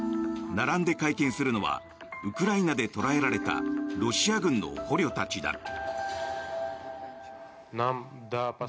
並んで会見するのはウクライナで捕らえられたロシア軍の捕虜たちだ。